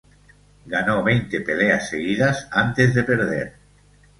Ganó veinte peleas seguidas antes de perder.